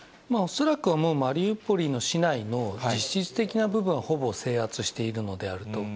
恐らくはもう、マリウポリの市内の実質的な部分はほぼ制圧しているのであると。